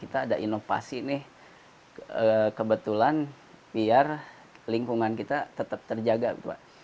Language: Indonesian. kita ada inovasi nih kebetulan biar lingkungan kita tetap terjaga gitu pak